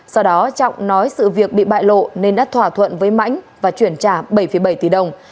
sau đó trọng nói sự việc bị bại lộ nên đã thỏa thuận với mãnh và chuyển trả bảy bảy tỷ đồng